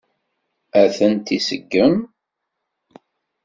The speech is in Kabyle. Ad tent-iseggem?